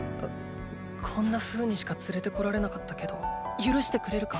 こんなふうにしか連れてこられなかったけど許してくれるか？